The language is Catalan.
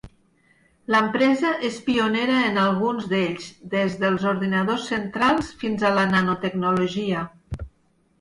L'empresa és pionera en alguns d'ells, des dels ordinadors centrals fins a la nanotecnologia.